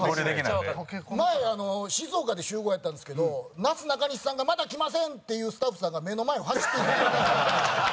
前静岡で集合やったんですけどなすなかにしさんがまだ来ませんって言うスタッフさんが目の前を走っていったんですよ。